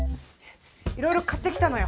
いろいろ買ってきたのよ。